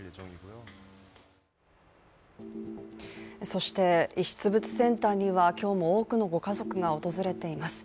そして、遺失物センターには今日も多くのご家族が訪れています。